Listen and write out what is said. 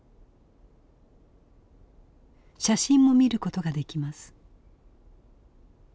写真も見ることができます。